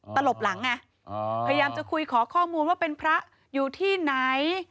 ตลบหลังไงพยายามจะคุยขอข้อมูลว่าเป็นพระอยู่ที่ไหน